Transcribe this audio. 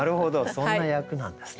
そんな役なんですね。